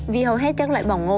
vì hầu hết các loại bỏng ngô